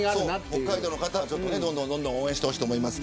北海道の方はどんどん応援してほしいです。